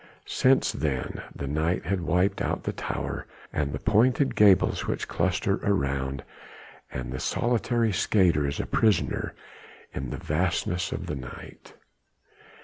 Since then the night had wiped out the tower, and the pointed gables which cluster around, and the solitary skater is a prisoner in the fastnesses of the night.